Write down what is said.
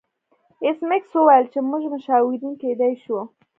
ایس میکس وویل چې موږ مشاورین کیدای شو